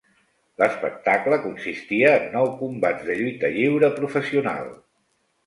L'espectacle consistia en nou combats de lluita lliure professional.